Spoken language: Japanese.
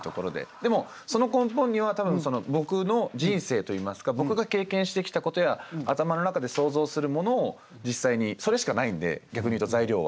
でもその根本には多分僕の人生といいますか僕が経験してきたことや頭の中で想像するものを実際にそれしかないんで逆に言うと材料は。